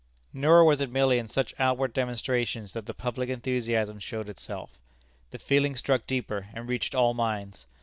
[A] Nor was it merely in such outward demonstrations that the public enthusiasm showed itself. The feeling struck deeper, and reached all minds.